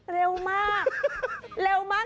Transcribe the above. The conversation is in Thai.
เร็วมากเร็วมาก